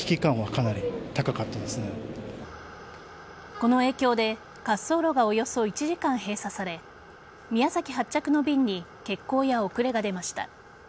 この影響で滑走路がおよそ１時間閉鎖され宮崎発着の便に欠航や遅れが出ました。